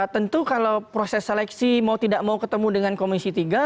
tentu kalau proses seleksi mau tidak mau ketemu dengan komisi tiga